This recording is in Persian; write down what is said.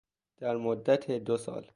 در مدت دو سال